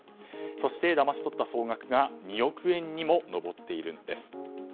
そして、だまし取った総額が２億円にも上っているんです。